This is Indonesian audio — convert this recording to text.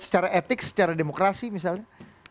secara etik secara demokrasi misalnya